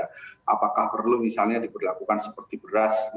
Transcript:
karena itu tidak perlu misalnya diberlakukan seperti beras